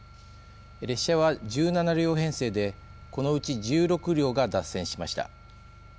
列車は１７両編成でこのうち１６両が脱線しました。